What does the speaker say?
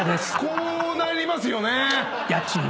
こうなりますよね。